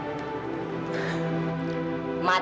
dia seneng banget